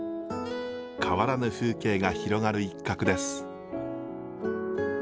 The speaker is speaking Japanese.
変わらぬ風景が広がる一角です。